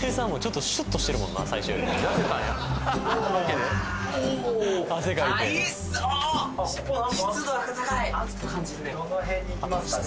どの辺に行きますかね